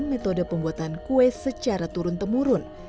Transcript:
tetap menggunakan metode pembuatan kue secara turun temurun